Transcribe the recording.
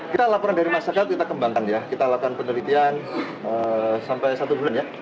kita laporan dari masyarakat kita kembangkan ya kita lakukan penelitian sampai satu bulan ya